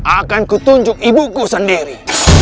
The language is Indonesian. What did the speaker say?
akan kutunjuk ibu ku sendiri